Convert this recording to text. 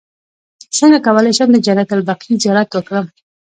څنګه کولی شم د جنت البقیع زیارت وکړم